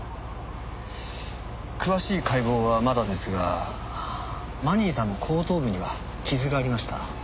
詳しい解剖はまだですがマニーさんの後頭部には傷がありました。